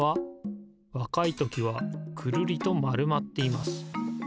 わかいときはくるりとまるまっています。